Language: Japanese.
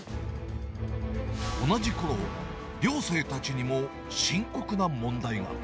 同じころ、寮生たちにも深刻な問題が。